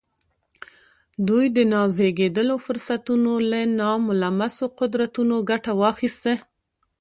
دوی د نازېږېدلو فرصتونو له ناملموسو قدرتونو ګټه واخيسته.